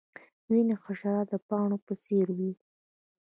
ځینې حشرات د پاڼو په څیر وي